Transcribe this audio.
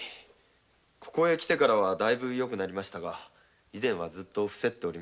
ここへ来てからはだいぶ良くなりましたが以前はずっと病床に。